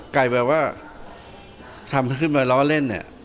กลายเป็นว่าทำขึ้นมาเล่าเล่น